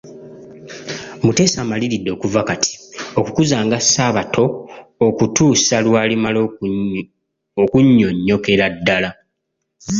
Muteesa amaliridde okuva kati, okukuzanga Sabbato okutuusa lw'alimala okunnyonnyokera ddala.